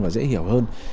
và dễ hiểu hơn